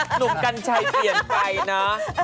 อุ้ยหนุ่มกันชัยเปลี่ยนไปน้ะ